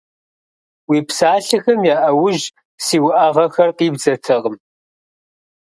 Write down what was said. Уи псалъэхэм я Ӏэужь си уӀэгъэхэр къибдзэртэкъым.